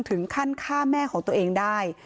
ถึงขั้นฆ่าแม่ของตัวเองได้